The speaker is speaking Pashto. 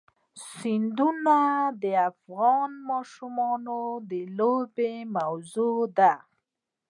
سیندونه د افغان ماشومانو د لوبو موضوع ده.